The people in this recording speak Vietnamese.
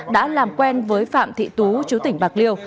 đã làm quen với phạm thị tú chú tỉnh bạc liêu